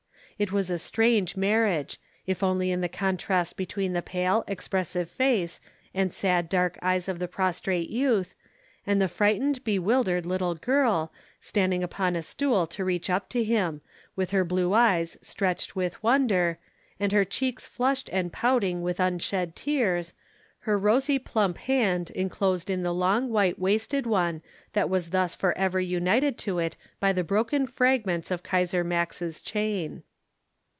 It was a strange marriage, if only in the contrast between the pale, expressive face and sad, dark eyes of the prostrate youth, and the frightened, bewildered little girl, standing upon a stool to reach up to him, with her blue eyes stretched with wonder, and her cheeks flushed and pouting with unshed tears, her rosy plump hand enclosed in the long white wasted one that was thus for ever united to it by the broken fragments of Kaisar Max's chain.